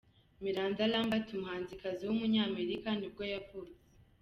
Miranda Lambert, umuhanzikazi w’umunyamerika nibwo yavutse.